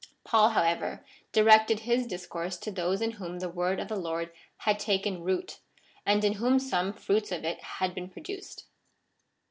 Paul, however, directed his discourse to those in whom the word of the Lord had taken root, and in whom some fruits of it had been produced.